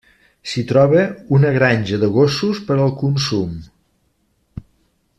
S'hi troba una granja de gossos per al consum.